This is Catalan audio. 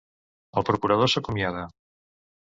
El procurador s'acomiada.